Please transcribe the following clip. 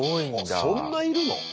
あそんないるの？